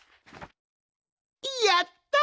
やった！